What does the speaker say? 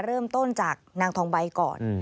เริ่มต้นจากนางทองใบก่อน